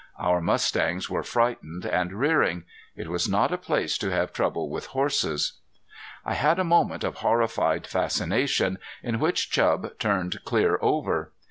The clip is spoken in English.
Our mustangs were frightened and rearing. It was not a place to have trouble with horses. I had a moment of horrified fascination, in which Chub turned clear over.